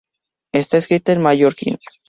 Está escrita en mallorquín.